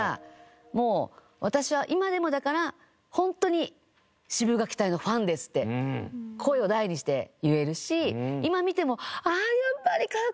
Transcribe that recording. もう私は今でもだからホントに「シブがき隊のファンです」って声を大にして言えるし今見ても。